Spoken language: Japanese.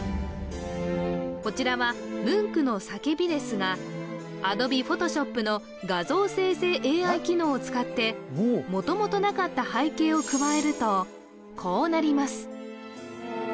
こちらはムンクの「叫び」ですがＡｄｏｂｅＰｈｏｔｏｓｈｏｐの画像生成ＡＩ機能を使って元々なかった背景を加えるとこうなります